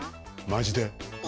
マジで？